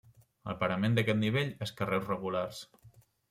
El parament d'aquest nivell és carreus regulars.